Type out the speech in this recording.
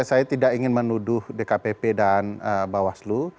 saya tidak ingin menuduh dkpp dan bawaslu